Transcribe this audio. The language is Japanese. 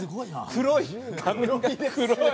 黒い！